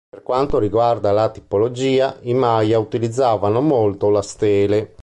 Per quanto riguarda la tipologia, i Maya utilizzavano molto la stele.